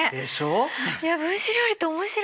いや分子料理って面白い。